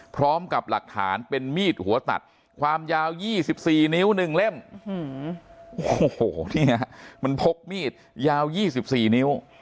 พร้อมกับหลักฐานเป็นมีดหัวตัดความยาว๒๔นิ้ว๑เล่มโอ้โหเนี่ยมันพกมีดยาว๒๔นิ้ว